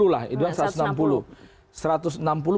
enam puluh lah itu satu ratus enam puluh